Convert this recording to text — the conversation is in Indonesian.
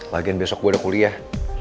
lagian besok gue udah kuliah